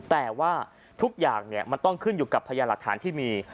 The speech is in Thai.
แต่ว่าทุกอย่างมันต้องขึ้นอยู่กับพยานหลักฐานที่มี